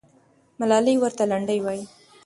ملالۍ ورته لنډۍ وایي.